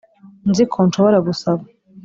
nzi ko nshobora gusaba.